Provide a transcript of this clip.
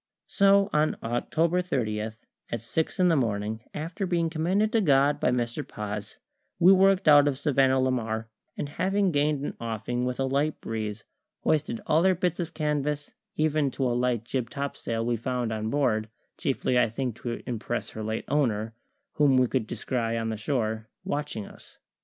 So on October 30, at six in the morning, after being commended to God by Mr. Paz, we worked out of Savannah la Mar, and, having gained an offing with a light breeze, hoisted all her bits of canvas, even to a light jib topsail we found on board chiefly, I think, to impress her late owner, whom we could descry on the shore, watching us.